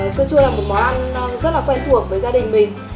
sữa chua là một món ăn rất là quen thuộc với gia đình mình